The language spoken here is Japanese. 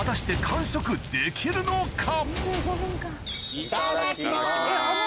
いただきます。